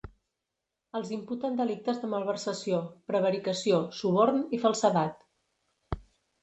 Els imputen delictes de malversació, prevaricació, suborn i falsedat.